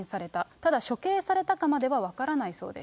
ただ処刑されたかまでは分からないそうです。